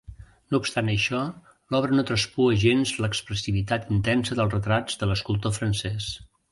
No obstant això, l'obra no traspua gens l'expressivitat intensa dels retrats de l'escultor francès.